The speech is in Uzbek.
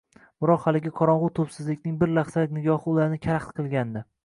Biroq haligi qorong‘u tubsizlikning bir lahzalik nigohi ularni karaxt qilgandi